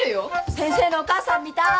先生のお母さん見たーい。